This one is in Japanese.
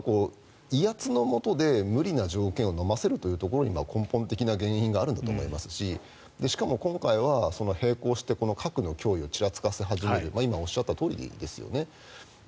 威圧のもとで、無理な条件をのませるというところに根本的な原因があるんだと思いますししかも今回は並行して核の脅威をちらつかせ始める今おっしゃったとおりですよね。